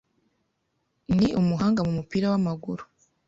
Ni umuhanga mu mupira w'amaguru.